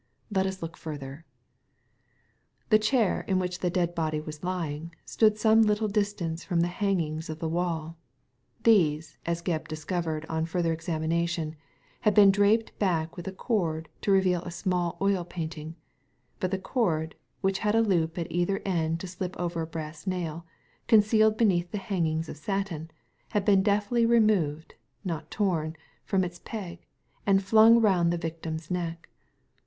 Let us look further," The chair in which the dead body was lying, stood some little distance from the hangings of the wall. These, as Gebb discovered on further examination, had been draped back with a cord to reveal a small oil painting ; but the cord — which had a loop at either end to slip over a brass nail, concealed beneath the hangings of satin — ^had been deftly removed (not torn) from its peg, and flung round the victim's neck.